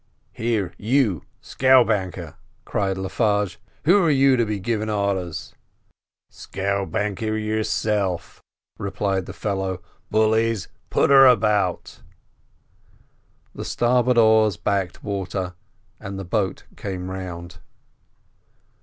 "Here, you scowbanker!" cried Le Farge, "who are you to be giving directions—" "Scowbanker yourself!" replied the fellow. "Bullies, put her about!" The starboard oars backed water, and the boat came round.